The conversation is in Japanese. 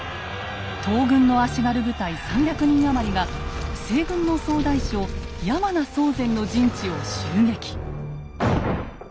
東軍の足軽部隊３００人余りが西軍の総大将山名宗全の陣地を襲撃。